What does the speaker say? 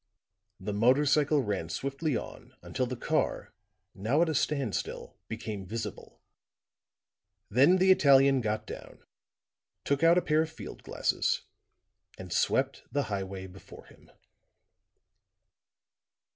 The motor cycle ran swiftly on until the car, now at a standstill, became visible; then the Italian got down, took out a pair of field glasses and swept the highway before him.